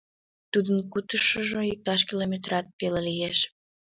Тудын кутышыжо иктаж километрат пеле лиеш.